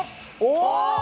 お！